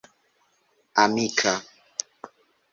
amika